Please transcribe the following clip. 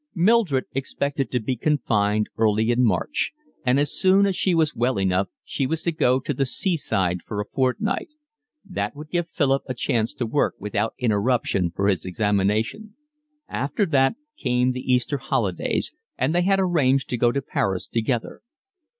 Mildred expected to be confined early in March, and as soon as she was well enough she was to go to the seaside for a fortnight: that would give Philip a chance to work without interruption for his examination; after that came the Easter holidays, and they had arranged to go to Paris together.